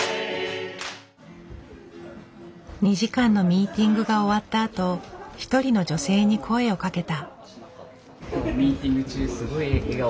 ２時間のミーティングが終わったあと一人の女性に声をかけた。